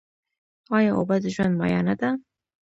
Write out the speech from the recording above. آیا اوبه د ژوند مایه نه ده؟